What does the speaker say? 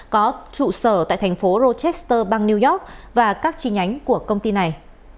có trụ sở tại thành phố rochester bang new york và các chi nhánh của công ty này